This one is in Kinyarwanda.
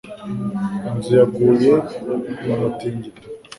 Inzu yaguye mu mutingito.